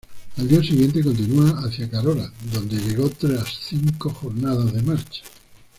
Al día siguiente continua hacia Carora, donde llegó tras cinco jornadas de marcha.